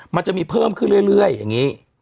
มันจะมีเพิ่มขึ้นเรื่อยอย่างนี้